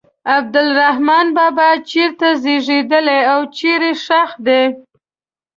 عبدالرحمان بابا چېرته زیږېدلی او چیرې ښخ دی.